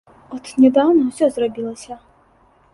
От нядаўна ўсё зрабілася.